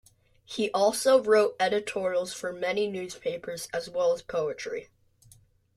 He also wrote editorials for many newspapers, as well as poetry.